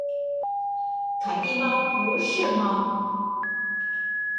凱蒂貓不是貓